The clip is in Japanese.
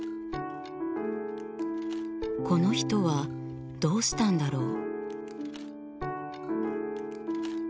この人はどうしたんだろう？